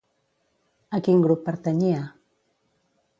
A quin grup pertanyia?